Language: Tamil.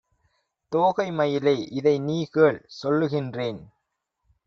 தோகை மயிலே! இதைநீகேள் சொல்லுகின்றேன்.